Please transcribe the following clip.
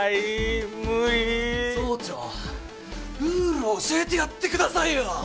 ルール教えてやってくださいよ！